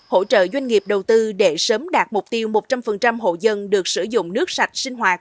hỗ trợ doanh nghiệp đầu tư để sớm đạt mục tiêu một trăm linh hộ dân được sử dụng nước sạch sinh hoạt